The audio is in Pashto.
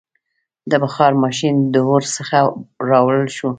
• د بخار ماشین د اور څخه راوړل شو.